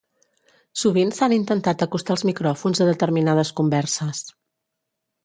sovint s'han intentat acostar els micròfons a determinades converses